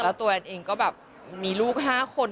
แล้วตัวแอนเองก็แบบมีลูก๕คน